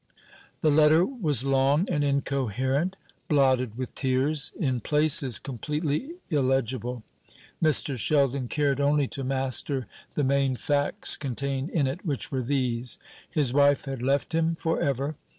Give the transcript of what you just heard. The letter was long and incoherent; blotted with tears in places completely illegible. Mr. Sheldon cared only to master the main facts contained in it, which were these: His wife had left him for ever.